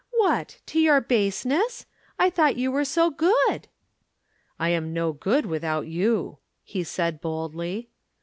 "What! to your baseness? I thought you were so good." "I am no good without you," he said boldly.